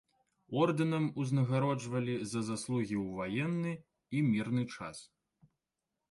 Ордэнам узнагароджвалі за заслугі ў ваенны і мірны час.